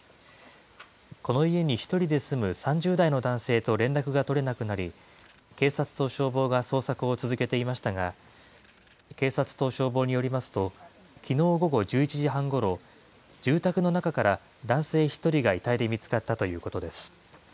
この家に１人で住む３０代の男性と連絡が取れなくなり、警察と消防が捜索を続けていましたが、警察と消防によりますと、きのう午後１１時半ごろ、住宅の中から男性１人が遺体で見つかったということです。